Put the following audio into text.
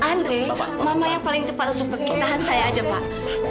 andre mama yang paling tepat untuk perkitahan saya aja pak